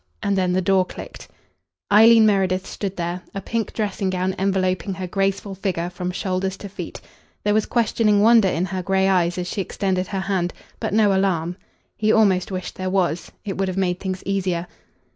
And then the door clicked. Eileen Meredith stood there, a pink dressing gown enveloping her graceful figure from shoulders to feet. There was questioning wonder in her grey eyes as she extended her hand, but no alarm. He almost wished there was. It would have made things easier.